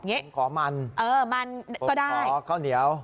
ผมขอมันผมขอข้าวเหนียว